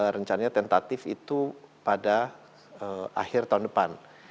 rencananya tentatif itu pada akhir tahun depan